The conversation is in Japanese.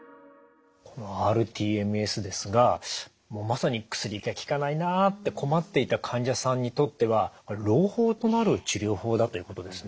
このｒＴＭＳですがまさに薬が効かないなって困っていた患者さんにとっては朗報となる治療法だということですね。